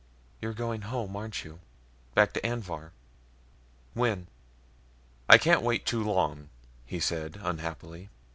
"You're going home, aren't you? Back to Anvhar. When?" "I can't wait too long," he said, unhappily.